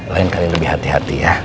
lain kali lebih hati hati ya